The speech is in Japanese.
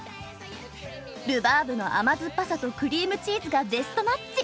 ルバーブの甘酸っぱさとクリームチーズがベストマッチ。